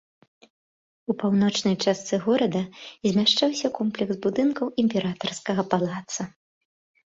У паўночнай частцы горада размяшчаўся комплекс будынкаў імператарскага палаца.